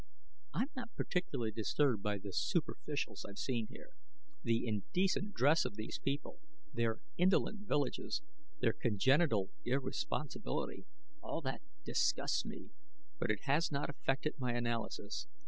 I'm not particularly disturbed by the superficials I've seen here. The indecent dress of these people, their indolent villages, their congenital irresponsibility all that disgusts me, but it has not affected my analysis.